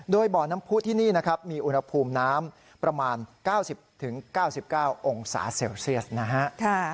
โดยบ่อน้ำผู้ที่นี่นะครับมีอุณหภูมิน้ำประมาณ๙๐๙๙องศาเซลเซียสนะฮะ